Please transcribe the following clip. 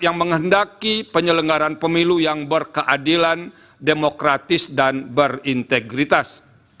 yang menghendaki penyelenggaran pemilu yang berkeadilan demokratis dan berintegritas